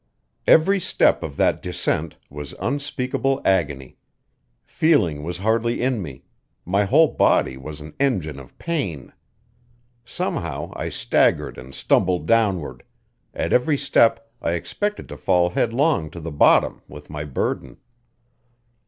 Every step of that descent was unspeakable agony. Feeling was hardly in me; my whole body was an engine of pain. Somehow, I staggered and stumbled downward; at every step I expected to fall headlong to the bottom with my burden.